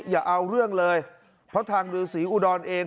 อย่าเอาเรื่องเลยเพราะทางฤษีอุดรเอง